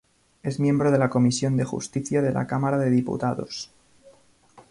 Es miembro de la Comisión de Justicia de la Cámara de Diputados.